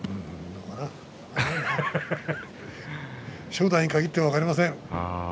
正代に限っては分かりません。